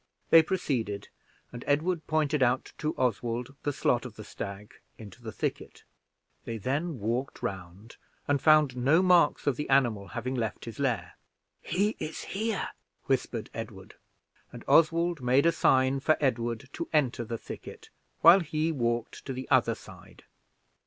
They proceeded, and Edward pointed out to Oswald the slot of the stag into the thicket. They then walked round, and found no marks of the animal having left his lair. "He is here," whispered Edward; and Oswald made a sign for Edward to enter the thicket, while he walked to the other side.